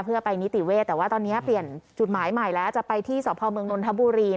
เพื่อไปนิติเวศแต่ว่าตอนนี้เปลี่ยนจุดหมายใหม่แล้วจะไปที่สพเมืองนนทบุรี